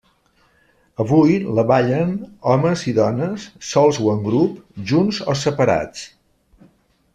Avui la ballen homes i dones, sols o en grup, junts o separats.